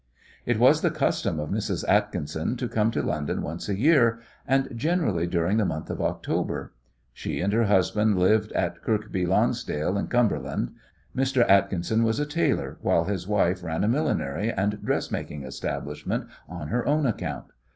It was the custom of Mrs. Atkinson to come to London once a year, and generally during the month of October. She and her husband lived in Kirkby Lonsdale, in Cumberland. Mr. Atkinson was a tailor, while his wife ran a millinery and dressmaking establishment on her own account.